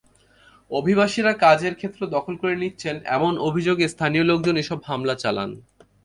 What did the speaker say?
অভিবাসীরা কাজের ক্ষেত্র দখল করে নিচ্ছেন—এমন অভিযোগে স্থানীয় লোকজন এসব হামলা চালান।